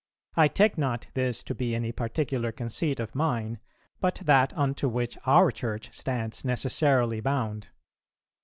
I take not this to be any particular conceit of mine, but that unto which our Church stands necessarily bound.